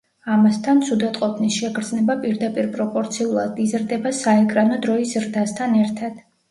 ამასთან, ცუდად ყოფნის შეგრძნება პირდაპირპროპორციულად იზრდება საეკრანო დროის ზრდასთან ერთად.